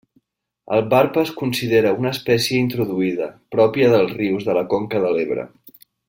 El barb es considera una espècie introduïda, pròpia dels rius de la conca de l'Ebre.